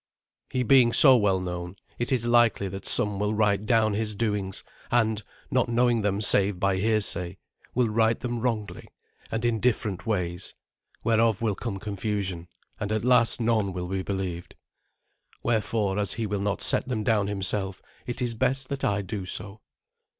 He being so well known, it is likely that some will write down his doings, and, not knowing them save by hearsay, will write them wrongly and in different ways, whereof will come confusion, and at last none will be believed. Wherefore, as he will not set them down himself, it is best that I do so.